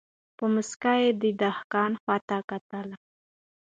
په موسکا یې د دهقان خواته کتله